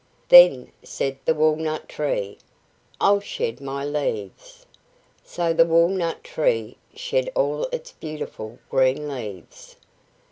"Then," said the walnut tree, "I'll shed my leaves." So the walnut tree shed all its beautiful green leaves.